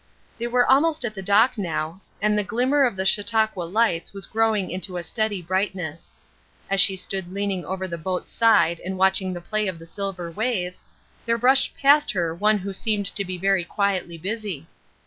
They were almost at the dock now, and the glimmer of the Chautauqua lights was growing into a steady brightness. As she stood leaning over the boat's side and watching the play of the silver waves, there brushed past her one who seemed to be very quietly busy.